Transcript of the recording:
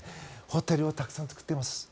ホテルをたくさん作っています。